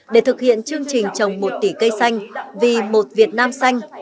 để thực hiện chương trình trồng một tỷ cây xanh vì một việt nam xanh